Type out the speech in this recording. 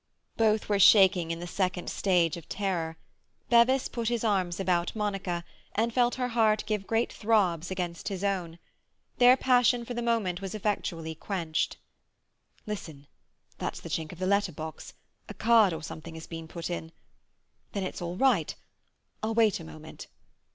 Both were shaking in the second stage of terror. Bevis put his arm about Monica, and felt her heart give great throbs against his own. Their passion for the moment was effectually quenched. "Listen! That's the clink of the letter box. A card or something has been put in. Then it's all right. I'll wait a moment."